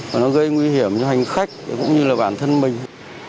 và nó gây nguy hiểm cho hành khách cũng như là bản thân mình